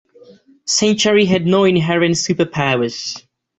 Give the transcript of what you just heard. Century had no inherent superpowers.